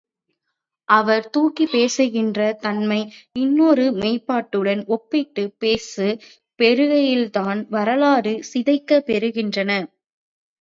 அவர் தூக்கிப் பேசுகின்ற தன்மை இன்னொரு மெய்ப்பாட்டுடன் ஒப்பிட்டுப் பேசப் பெறுகையில்தான் வரலாறு சிதைக்கப் பெறுகின்றது.